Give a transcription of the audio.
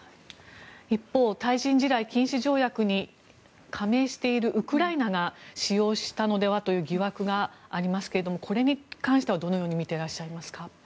一方対人地雷禁止条約に加盟しているウクライナが使用したのではという疑惑がありますけれどこれに関しては、どのように見てらっしゃいますか。